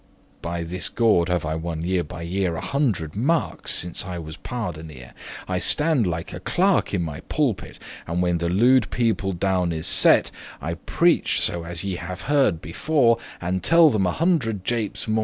By this gaud* have I wonne year by year *jest, trick A hundred marks, since I was pardonere. I stande like a clerk in my pulpit, And when the lewed* people down is set, *ignorant I preache so as ye have heard before, And telle them a hundred japes* more.